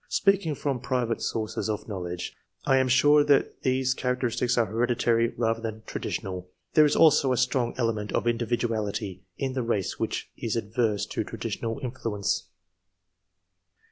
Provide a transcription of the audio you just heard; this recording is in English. Speaking from private sources of knowledge, I am sure that these cha racteristics are hereditary rather than traditional ; there is also a strong element of individuality in the race which is adverse to traditional influence.